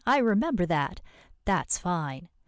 "I remember that; that's fine.